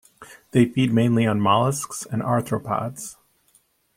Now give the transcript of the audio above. They feed mainly on molluscs and arthropods.